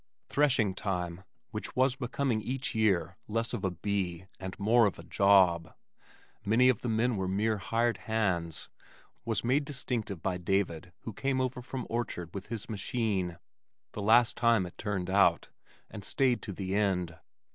Threshing time, which was becoming each year less of a "bee" and more of a job (many of the men were mere hired hands), was made distinctive by David who came over from Orchard with his machine the last time as it turned out and stayed to the end.